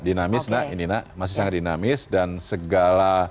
dinamis ini masih sangat dinamis dan segala